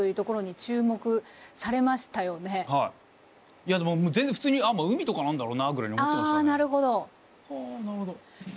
いやでも全然普通に「あっもう海とかなんだろうな」ぐらいに思ってましたね。